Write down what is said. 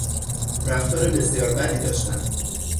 رفتار بسیار بدی داشتن